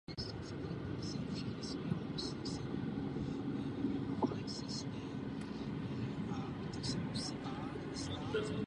Kirk je otec Milhouse.